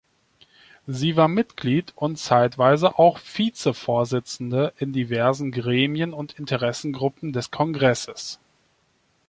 Sie war Mitglied und zeitweise auch Vizevorsitzende in diversen Gremien und Interessensgruppen des Kongresses.